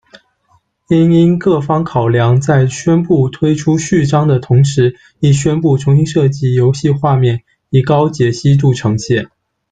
因应各方面考量，在宣布推出序章的同时亦宣布将重新设计游戏画面以高解析度呈现。